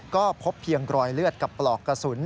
ก็พบเพียงรอยเลือดกับปลอกกระสุน